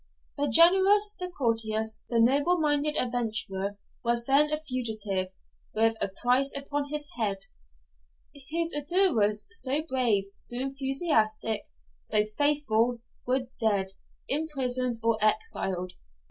The generous, the courteous, the noble minded adventurer was then a fugitive, with a price upon his head; his adherents, so brave, so enthusiastic, so faithful, were dead, imprisoned, or exiled.